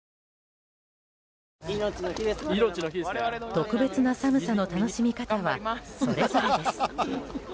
特別な寒さの楽しみ方はそれぞれです。